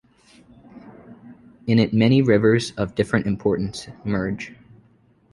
In it many rivers of different importance merge.